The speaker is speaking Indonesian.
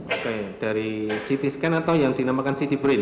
oke dari ct scan atau yang dinamakan ct brin